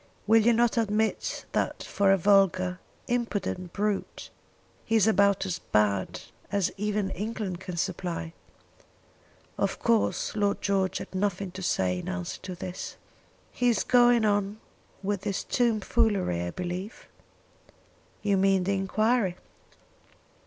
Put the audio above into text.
Will you not admit that for a vulgar, impudent brute, he is about as bad as even England can supply?" Of course Lord George had nothing to say in answer to this. "He is going on with this tom foolery, I believe?" "You mean the enquiry?"